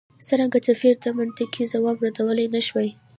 څرنګه چې سفیر دا منطقي ځواب ردولای نه شوای.